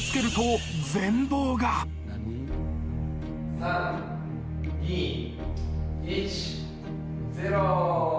３・２・１・０。